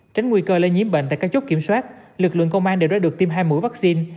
tránh nguy cơ lây nhiễm bệnh tại các chốt kiểm soát lực lượng công an đều đã được tiêm hai mũi vaccine